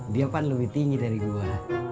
dia kan lebih tinggi dari gue